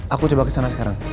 aku coba kesana sekarang